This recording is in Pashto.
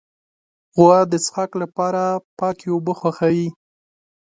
غوا د څښاک لپاره پاکې اوبه خوښوي.